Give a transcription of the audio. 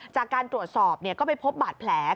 จากการตรวจสอบก็ไปพบบาดแผล